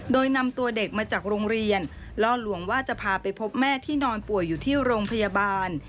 โดยนำตัวเด็กมาจากโรงเรียนล่อลวงว่าจะพาไปพบแม่ที่นอนป่วยอยู่ที่โรงพยาบาล